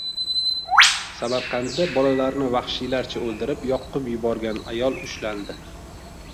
Samarqandda bolalarni vahshiylarcha o‘ldirib, yoqib yuborgan ayol ushlandi